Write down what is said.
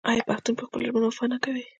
آیا پښتون په خپلو ژمنو وفا نه کوي؟